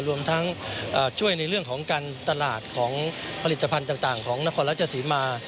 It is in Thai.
รวมทั้งช่วยในเรื่องของการตลาดของผลิตภัณฑ์ต่างของนครราชสีมา